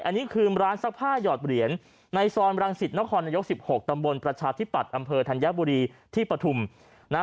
อันนี้คือร้านซักผ้าหยอดเหรียญในซอยรังสิตนครนายก๑๖ตำบลประชาธิปัตย์อำเภอธัญบุรีที่ปฐุมนะ